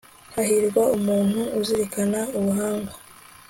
hahirwa umuntu uzirikana ubuhanga